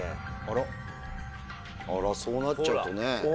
あらそうなっちゃうとね。